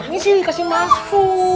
ini sih dikasih masuk